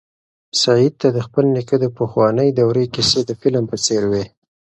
سعید ته د خپل نیکه د پخوانۍ دورې کیسې د فلم په څېر وې.